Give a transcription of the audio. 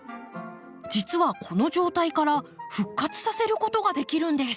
実はこの状態から復活させることができるんです。